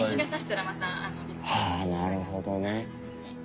はあなるほどね。